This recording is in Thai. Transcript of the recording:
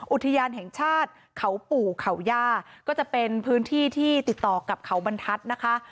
อุทยานแห่งชาติเขาปู่เขาย่าก็จะเป็นพื้นที่ที่ติดต่อกับเขาบรรทัศน์นะคะ